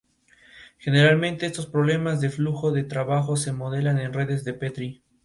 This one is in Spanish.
En estos años de oposición, el Frente Sandinista pasó por luchas intestinas y escisiones.